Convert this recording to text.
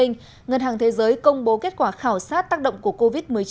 ngân hàng thế giới công bố kết quả khảo sát tác động của covid một mươi chín